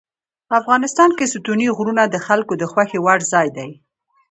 افغانستان کې ستوني غرونه د خلکو د خوښې وړ ځای دی.